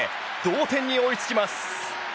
同点に追いつきます。